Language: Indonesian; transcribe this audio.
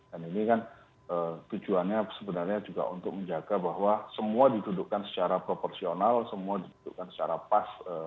dan ini kan tujuannya sebenarnya juga untuk menjaga bahwa semua dituduhkan secara proporsional semua dituduhkan secara pas